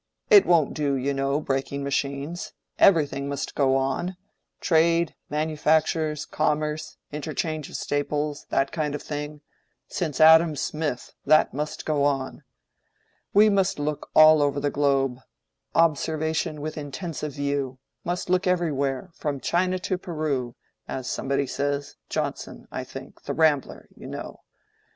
It won't do, you know, breaking machines: everything must go on—trade, manufactures, commerce, interchange of staples—that kind of thing—since Adam Smith, that must go on. We must look all over the globe:—'Observation with extensive view,' must look everywhere, 'from China to Peru,' as somebody says—Johnson, I think, 'The Rambler,' you know.